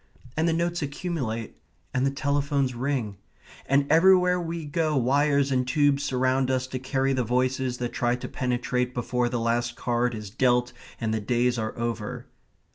And the notes accumulate. And the telephones ring. And everywhere we go wires and tubes surround us to carry the voices that try to penetrate before the last card is dealt and the days are over.